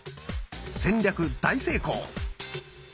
戦略大成功！